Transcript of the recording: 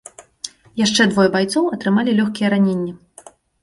Яшчэ двое байцоў атрымалі лёгкія раненні.